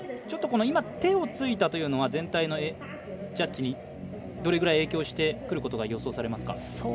ちょっと手をついたというのは全体のジャッジにどれぐらい影響してくることが予想されますか？